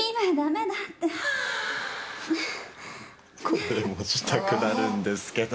これもしたくなるんですけど。